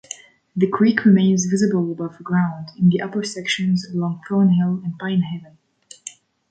The creek remains visible above ground in the upper sections along Thornhill and Pinehaven.